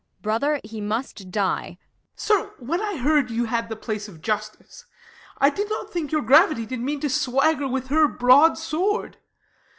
Brother, he must die ! Ben. Sir, when I heard you had the place of Justice, I did not think your gravity did mean To swagger with her broad sword.